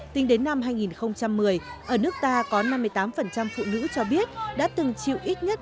tính đến năm hai nghìn một mươi ở nước ta có năm mươi tám phụ nữ cho biết đã từng chịu ít nhất